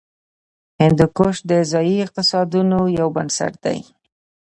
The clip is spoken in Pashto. هندوکش د ځایي اقتصادونو یو بنسټ دی.